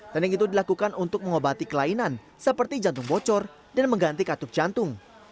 dan yang itu dilakukan untuk mengobati kelainan seperti jantung bocor dan mengganti katup jantung